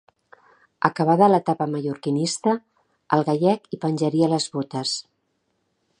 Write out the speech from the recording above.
Acabada l'etapa mallorquinista, el gallec hi penjaria les botes.